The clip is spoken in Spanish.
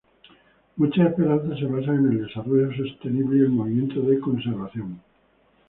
Muchas esperanzas se basan en el desarrollo sostenible y el movimiento de Conservación.